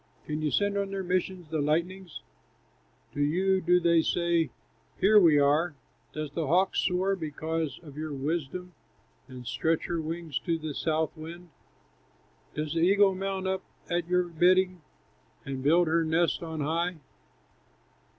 Can you send on their missions the lightnings; To you do they say, 'Here we are'? "Does the hawk soar because of your wisdom, And stretch her wings to the south wind? Does the eagle mount up at your bidding, And build her nest on high?